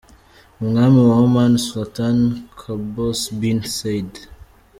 Umwami wa Oman, Sultan Qaboos bin Said